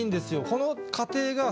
この。